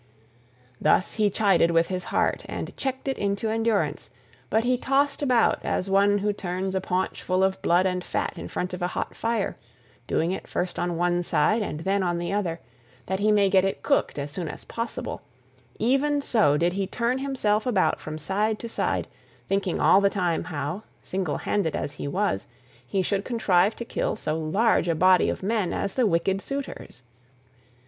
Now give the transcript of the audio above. Thus he chided with his heart, and checked it into endurance, but he tossed about as one who turns a paunch full of blood and fat in front of a hot fire, doing it first on one side and then on the other, that he may get it cooked as soon as possible, even so did he turn himself about from side to side, thinking all the time how, single handed as he was, he should contrive to kill so large a body of men as the wicked suitors.